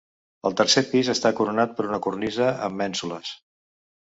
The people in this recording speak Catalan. El tercer pis està coronat per una cornisa amb mènsules.